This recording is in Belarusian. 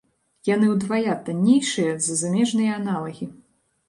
Яны ўдвая таннейшыя за замежныя аналагі.